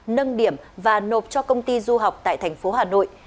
nâng điểm và nộp cho công ty du học tại thành phố hà nội